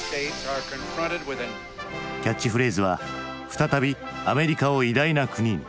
キャッチフレーズは「再びアメリカを偉大な国に」。